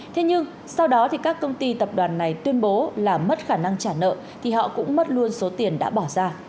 thế nhưng sau đó thì các công ty tập đoàn này tuyên bố là mất khả năng trả nợ thì họ cũng mất luôn số tiền đã bỏ ra